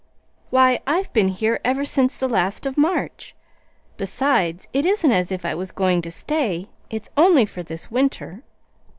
"Why, I've been here ever since the last of March. Besides, it isn't as if I was going to stay. It's only for this winter."